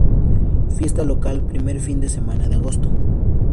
Fiesta local, primer fin de semana de agosto.